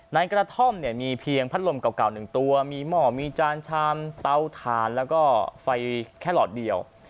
ในกระท่อมเนี่ยมีเพียงพัดลมเก่าหนึ่งตัวมีหมอกอวกิภาพมีจานชามเต้าทานและก็ไฟแคลอทแค่หลอดเดียว